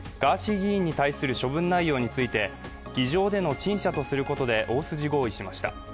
議員に対する処分内容について議場での陳謝とすることで大筋合意しました。